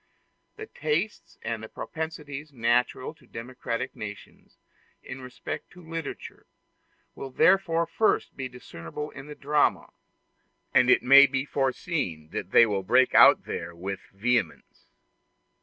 The tastes and propensities natural to democratic nations, in respect to literature, will therefore first be discernible in the drama, and it may be foreseen that they will break out there with vehemence.